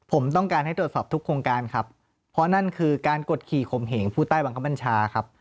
ผมต้องการให้ตรวจสอบทุกโครงการครับเพราะนั่นคือการกดขี่ขมเหงผู้ใต้บังคับบัญชาครับ